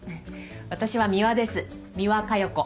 私は三輪です三輪加代子。